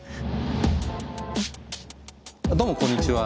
どうもこんにちは。